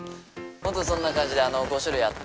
本当そんな感じで５種類あって。